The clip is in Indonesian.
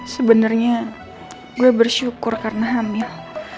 sebenarnya gue bersyukur karena hamil